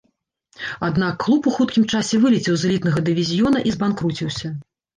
Аднак клуб у хуткім часе вылецеў з элітнага дывізіёна і збанкруціўся.